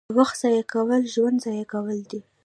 • د وخت ضایع کول ژوند ضایع کول دي.